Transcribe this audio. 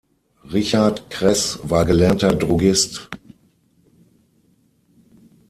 Richard Kreß war gelernter Drogist.